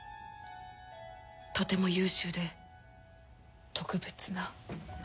とても優秀で特別な。